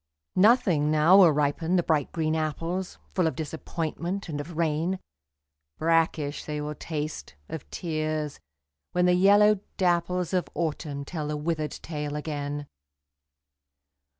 Nothing now will ripen the bright green apples, Full of disappointment and of rain, Brackish they will taste, of tears, when the yellow dapples Of Autumn tell the withered tale again.